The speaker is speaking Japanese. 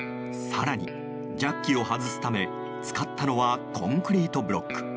更にジャッキを外すため使ったのはコンクリートブロック。